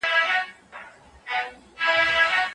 يو ورځ څلور برخي لري.